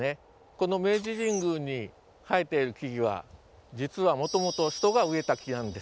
この明治神宮に生えている木々は実はもともと人が植えた木なんです。